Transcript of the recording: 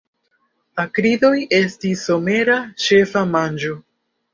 Akridoj estis somera ĉefa manĝo.